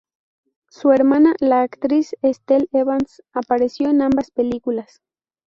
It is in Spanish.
Su hermana, la actriz Estelle Evans, apareció en ambas películas.